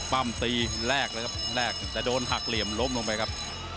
ปั้มตีแรกเลยครับแรกแต่โดนหักเหลี่ยมล้มลงไปครับ